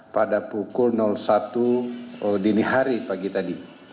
pada pukul satu dini hari pagi tadi